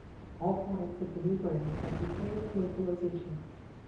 All products of the new brand have Ukrainian localization.